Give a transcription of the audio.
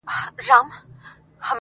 ټول د فرنګ له ربابونو سره لوبي کوي،